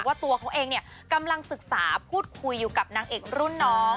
ตัวเขาเองเนี่ยกำลังศึกษาพูดคุยอยู่กับนางเอกรุ่นน้อง